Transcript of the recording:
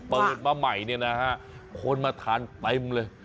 เปิดมาใหม่เนี่ยนะฮะคนมาทานเต็มเลย